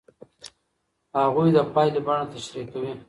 هغوی د پایلې بڼه تشریح کوي.